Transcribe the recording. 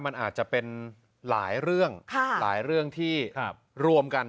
มันอาจจะเป็นหลายเรื่องที่รวมกัน